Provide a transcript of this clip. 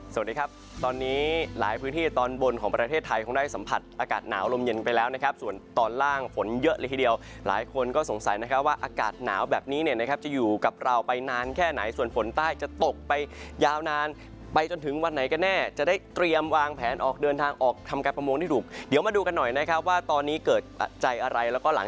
สวัสดีครับตอนนี้หลายพื้นที่ตอนบนของประเทศไทยคงได้สัมผัสอากาศหนาวลมเย็นไปแล้วนะครับส่วนตอนล่างฝนเยอะเลยทีเดียวหลายคนก็สงสัยนะครับว่าอากาศหนาวแบบนี้เนี่ยนะครับจะอยู่กับเราไปนานแค่ไหนส่วนฝนใต้จะตกไปยาวนานไปจนถึงวันไหนกันแน่จะได้เตรียมวางแผนออกเดินทางออกทำการประมงที่ถูกเดี๋ยวมาดูกันหน่อยนะครับว่าตอนนี้เกิดปัจจัยอะไรแล้วก็หลัง